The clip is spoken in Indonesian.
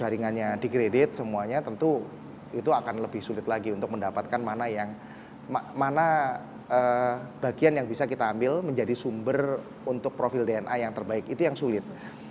dan jaringannya di kredit semuanya tentu itu akan lebih sulit lagi untuk mendapatkan mana yang mana bagian yang bisa kita ambil menjadi sumber untuk profil dna yang terbaik itu yang sulit